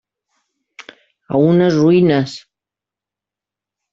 A unes ruïnes.